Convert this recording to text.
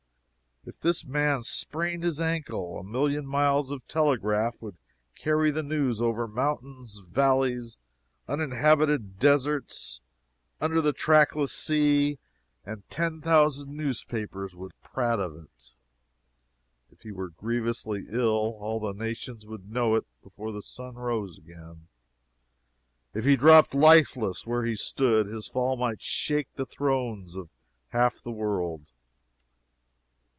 If this man sprained his ankle, a million miles of telegraph would carry the news over mountains valleys uninhabited deserts under the trackless sea and ten thousand newspapers would prate of it; if he were grievously ill, all the nations would know it before the sun rose again; if he dropped lifeless where he stood, his fall might shake the thrones of half a world!